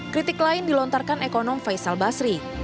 kritik lain dilontarkan ekonom faisal basri